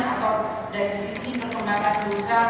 atau dari sisi perkembangan usaha